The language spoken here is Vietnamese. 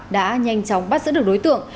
đã nhanh chóng bắt giữ được đối tượng